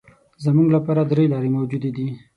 زموږ لپاره درې لارې موجودې دي.